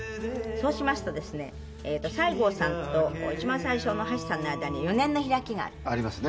そうしますとですね西郷さんと一番最初の橋さんの間に４年の開きが。ありますね。